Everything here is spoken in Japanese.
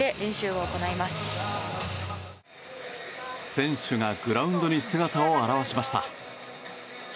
選手がグラウンドに姿を現しました。